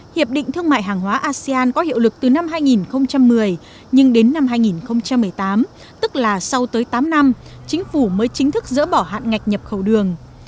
hiệp định thương mại hàng hóa asean có hiệu lực từ năm hai nghìn một mươi nhưng đến năm hai nghìn một mươi tám tức là sau tới tám năm chính phủ mới chính thức dỡ bỏ hạn ngạch nhập khẩu đường